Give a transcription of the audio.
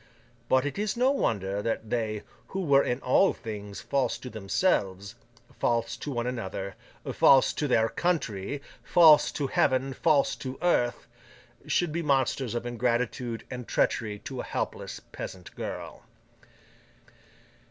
But, it is no wonder, that they, who were in all things false to themselves, false to one another, false to their country, false to Heaven, false to Earth, should be monsters of ingratitude and treachery to a helpless peasant girl.